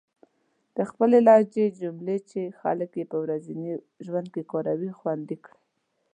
د خپلې لهجې جملې چې خلک يې په ورځني ژوند کې کاروي، خوندي کړئ.